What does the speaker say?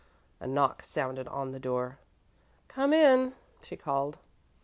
A knock sounded on the door. "Come in," she called.